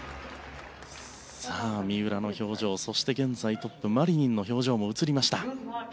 三浦の表情現在トップ、マリニンの表情も映りました。